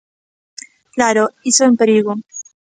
Claro, iso é un perigo.